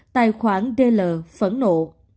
tài khoản dl phẫn nộ